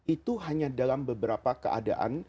itu hanya dalam beberapa keadaan